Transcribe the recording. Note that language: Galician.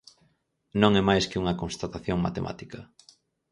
Non é máis que unha constatación matemática.